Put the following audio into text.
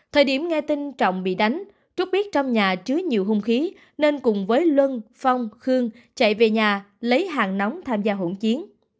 thời điểm nghe tin trọng bị đánh trúc biết trong nhà chứa nhiều hung khí nên cùng với luân phong khương chạy về nhà lấy hàng nóng tham gia hỗn chiến